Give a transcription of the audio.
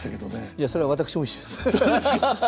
いやそれは私も一緒です。